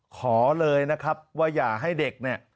ขอเลยนะครับว่าอย่าให้เด็กเนี่ย